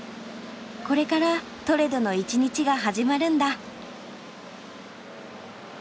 これからトレドの一日が始まるんだ。